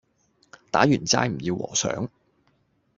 打完齋唔要和尚